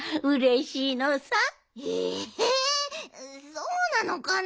そうなのかな。